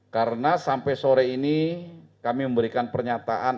karena sampai sore ini kami memberikan pernyataan